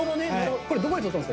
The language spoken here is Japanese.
これ、どこで撮ったんですか。